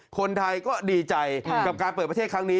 คนไทยก็ดีใจกับการเปิดประเทศครั้งนี้